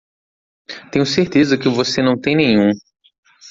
Tenho certeza que você não tem nenhum.